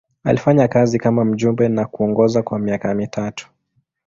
Alifanya kazi kama mjumbe na kuongoza kwa miaka mitatu.